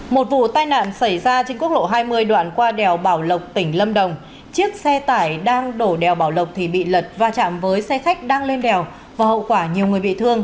một vụ tai nạn xảy ra trên quốc lộ hai mươi đoạn qua đèo bảo lộc tỉnh lâm đồng chiếc xe tải đang đổ đèo bảo lộc thì bị lật va chạm với xe khách đang lên đèo và hậu quả nhiều người bị thương